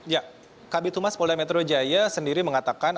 ya kabit humas polda metro jaya sendiri mengatakan